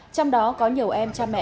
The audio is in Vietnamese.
trong đó có nhiều em cha mẹ